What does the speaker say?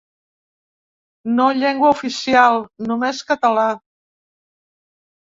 No llengua oficial, només català.